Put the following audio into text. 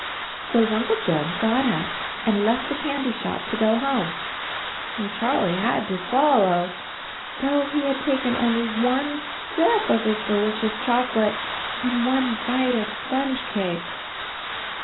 So his Uncle Jim got up and left the candy AND HIS KITTEN TOPSY 59 shop to go home, and Charlie had to follow, though he had taken only one sip of his de licious chocolate and one bite of sponge cake.